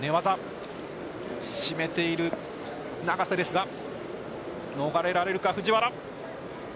しめている永瀬ですが逃れられるか、藤原。